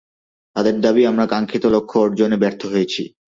তাদের দাবি, আমরা কাঙ্খিত লক্ষ্য অর্জনে ব্যর্থ হয়েছি।